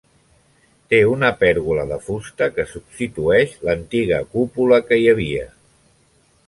Té una pèrgola de fusta que substitueix l'antiga cúpula que hi havia.